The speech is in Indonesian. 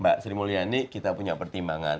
mbak sri mulyani kita punya pertimbangan